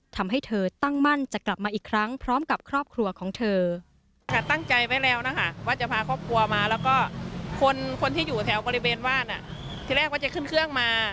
ทำให้เธอตั้งมั่นจะกลับมาอีกครั้งพร้อมกับครอบครัวของเธอ